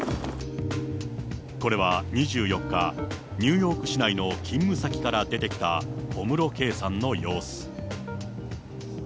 これは２４日、ニューヨーク市内の勤務先から出てきた小室圭さんの様子。